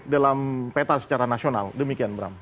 dalam peta secara nasional demikian bram